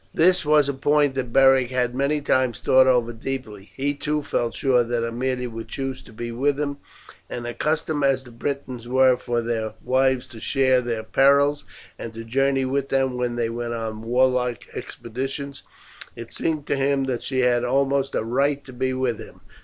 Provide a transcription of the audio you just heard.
This was a point that Beric had many times thought over deeply. He, too, felt sure that Aemilia would choose to be with him; and accustomed as the Britons were for their wives to share their perils, and to journey with them when they went on warlike expeditions, it seemed to him that she had almost a right to be with him.